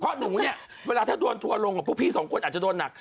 เพราะหนูเนี่ยเวลาถ้าโดนทัวร์ลงกับพวกพี่สองคนอาจจะโดนหนัก